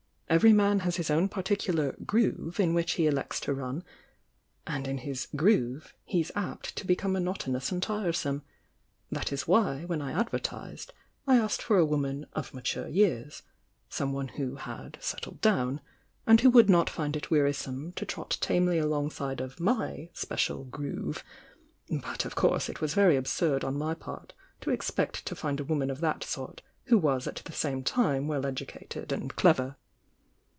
Every man has his own particular 'groove' in which he elects to run — and m his 'groove' he's apt to become monotonous 1 i'r^*'™^ That is why, when I advertised, I asked for a woman 'of mature years,'— someone who had settled down,' and who would not find it weari some to trot tamely alongside of my special 'groove,' but of course it was very absurd on my part to expect to find a woman of that sort who was at the same time well educated and clever."